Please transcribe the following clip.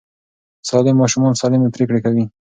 سالم ماشومان سالمې پرېکړې کوي.